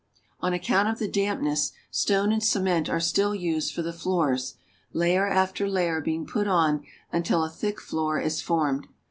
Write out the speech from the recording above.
On account of the dampness, stone and cement are still used for the floors, layer after layer being put on until a thick floor is formed.